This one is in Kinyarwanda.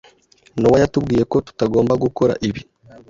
Nowa yatubwiye ko tutagomba gukora ibi.